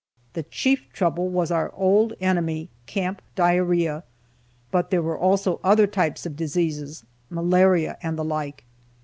The chief trouble was our old enemy, camp diarrhea, but there were also other types of diseases malaria and the like.